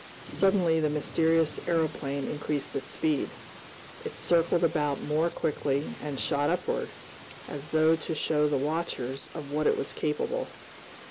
Suddenly the mysterious aeroplane increased its speed. It circled about more quickly, and shot upward, as though to show the watchers of what it was capable.